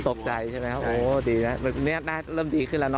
ตกใจใช่ไหมดีแล้วเริ่มดีขึ้นแล้วเนอะ